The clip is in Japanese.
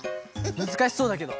むずかしそうだけど。